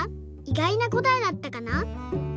いがいなこたえだったかな？